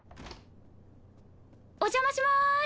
お邪魔します。